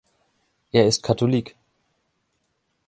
Er ist Katholik.